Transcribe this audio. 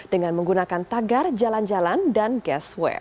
dengan menggunakan tagar jalan jalan dan guess where